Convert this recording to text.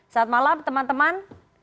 selamat malam teman teman